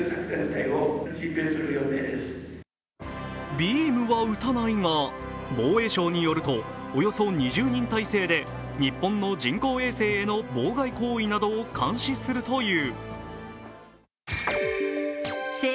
ビームは撃たないが、防衛省によると、およそ２０人体制で日本人工衛星などへの妨害行為などを監視するという。